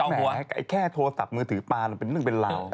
แม้แค่โทรศัพท์มือถือปลาเป็นเรื่องเป็นเหล่า